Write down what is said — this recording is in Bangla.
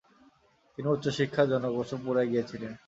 তিনি উচ্চশিক্ষার জন্য কুসুমপুরায় গিয়েছিলেন।